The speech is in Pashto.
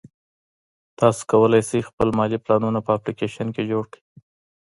تاسو کولای شئ خپل مالي پلانونه په اپلیکیشن کې جوړ کړئ.